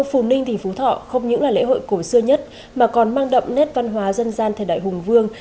phù ninh tỉnh phú thọ không những là lễ hội cổ xưa nhất mà còn mang đậm nét văn hóa dân gian thời đại hùng vương